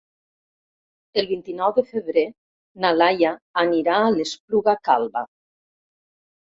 El vint-i-nou de febrer na Laia anirà a l'Espluga Calba.